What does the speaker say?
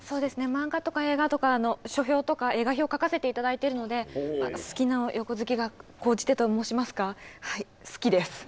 漫画とか映画とか書評とか映画評を書かせて頂いてるので好きの横好きが高じてと申しますかはい好きです。